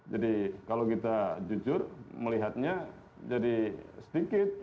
jadi kalau kita jujur melihatnya jadi sedikit